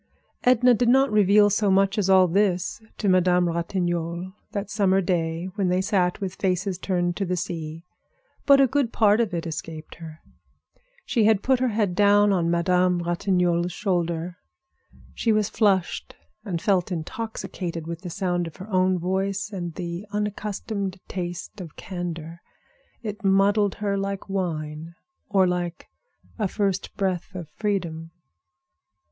Edna did not reveal so much as all this to Madame Ratignolle that summer day when they sat with faces turned to the sea. But a good part of it escaped her. She had put her head down on Madame Ratignolle's shoulder. She was flushed and felt intoxicated with the sound of her own voice and the unaccustomed taste of candor. It muddled her like wine, or like a first breath of freedom.